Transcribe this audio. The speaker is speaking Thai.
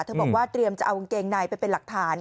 บอกว่าเตรียมจะเอากางเกงในไปเป็นหลักฐาน